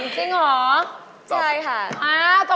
จริงเหรอใช่ค่ะตอบตอบ